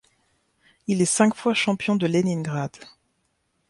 Il est cinq fois champion de Léningrad.